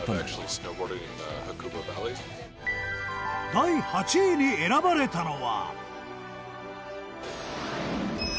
第８位に選ばれたのは。